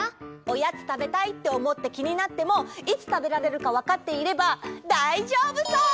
おやつたべたいっておもってきになってもいつたべられるかわかっていればだいじょうぶそう！